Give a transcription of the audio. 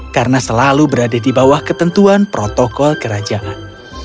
karena selalu berada di bawah ketentuan protokol kerajaan